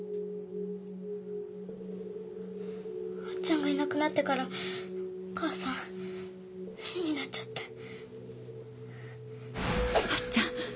あっちゃんがいなくなってからお母さん変になっちゃってあっちゃん